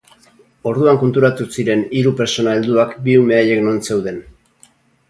Orduan konturatu ziren hiru pertsona helduak bi ume haiek non zeuden.